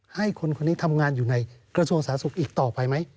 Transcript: ให้คนคนนี้ทำงานอยู่ในกระทรวงสาธารณสุขอีกต่อไปไหม